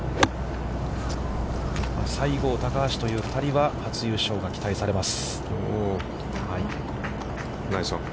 西郷、高橋という２人は初優勝が期待されます。